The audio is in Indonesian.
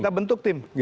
kita bentuk tim